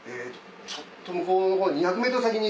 ちょっと向こうのほう２００ｍ先に。